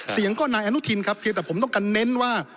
เสียงก็นายอนุทินครับเพียงแต่ผมต้องการเน้นว่า